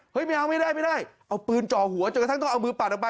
ไม่เอาไม่ได้ไม่ได้เอาปืนจ่อหัวจนกระทั่งต้องเอามือปัดออกไป